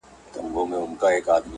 ګېله من دي خلک